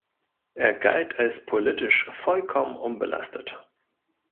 Er galt als politisch vollkommen unbelastet.